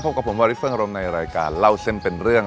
กับผมวาริสเฟิงอารมณ์ในรายการเล่าเส้นเป็นเรื่อง